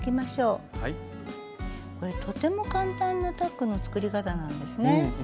これとても簡単なタックの作り方なんですね。